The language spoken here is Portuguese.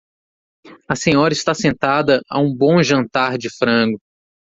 A senhora está sentada a um bom jantar de frango.